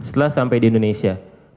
setelah sampai di indonesia